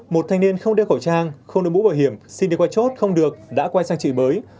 một thanh niên không đeo khẩu trang không được mũ bảo hiểm xin đi qua chốt không được đã quay sang trị bới